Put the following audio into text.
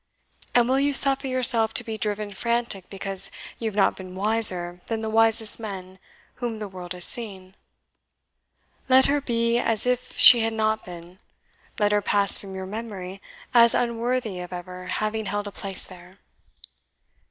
And will you suffer yourself to be driven frantic because you have not been wiser than the wisest men whom the world has seen? Let her be as if she had not been let her pass from your memory, as unworthy of ever having held a place there.